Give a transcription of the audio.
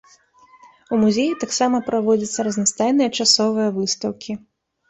У музеі таксама праводзяцца разнастайныя часовыя выстаўкі.